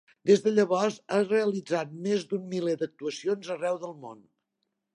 Des de llavors ha realitzat més d'un miler d'actuacions arreu del món.